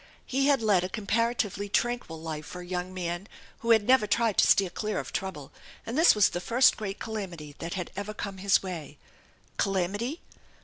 He had led a comparatively tranquil life for a young man who had never tried to steer clear of trouble, and this was the first great calamity that had ever come his way. Calamity?